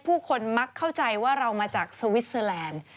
ผู้คนมักเข้าใจว่าเรามาจากสวิสเตอร์แลนด์